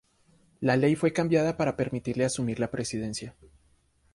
La ley fue cambiada para permitirle asumir la presidencia.